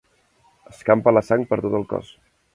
Escampa la sang per tot el cos.